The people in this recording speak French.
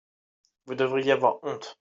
vous devriez avoir honte.